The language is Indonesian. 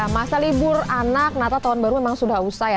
masa libur anak natal tahun baru memang sudah usai ya